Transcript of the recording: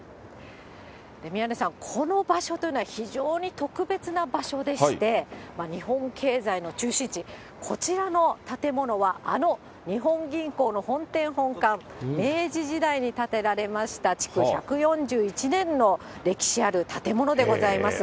宮根さん、この場所というのは非常に特別な場所でして、日本経済の中心地、こちらの建物は、あの日本銀行の本店本館、明治時代に建てられました、築１４１年の歴史ある建物でございます。